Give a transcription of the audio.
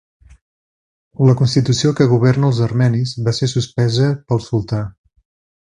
La constitució que governa els armenis va ser suspesa pel sultà.